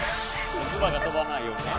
「つばが飛ばないようにね」